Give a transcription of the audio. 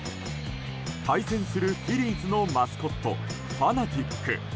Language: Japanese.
対戦するフィリーズのマスコットファナティック。